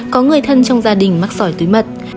có người thân trong gia đình mắc sỏi túi mật